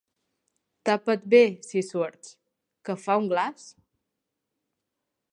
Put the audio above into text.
Tapa't bé, si surts, que fa un glaç!